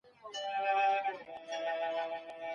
که چا وويل، نفس مي تنګ دی، کاشکي کافر سم، کافر سو.